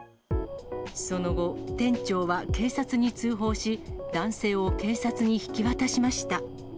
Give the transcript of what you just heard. その後、店長は警察に通報し、男性を警察に引き渡しました。